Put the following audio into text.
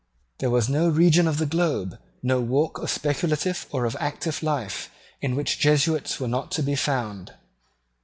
There was no region of the globe, no walk of speculative or of active life, in which Jesuits were not to be found.